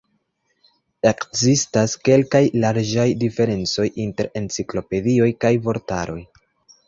Ekzistas kelkaj larĝaj diferencoj inter enciklopedioj kaj vortaroj.